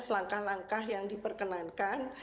langkah langkah yang diperkenankan